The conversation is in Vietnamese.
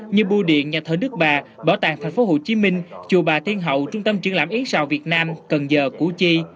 như bùi điện nhà thờ nước bà bảo tàng tp hcm chùa bà thiên hậu trung tâm truyền lãm yến sào việt nam cần giờ củ chi